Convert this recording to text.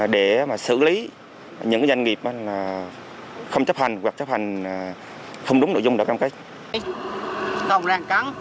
để mà xử lý những doanh nghiệp mà không chịu